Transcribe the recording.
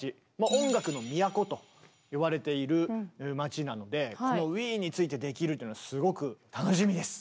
「音楽の都」といわれている街なのでこのウィーンについてできるというのはすごく楽しみです！